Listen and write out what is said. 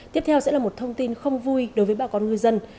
tiếp theo sẽ là một thông tin không vui đối với bà con ngư dân